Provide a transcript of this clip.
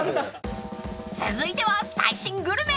［続いては最新グルメ］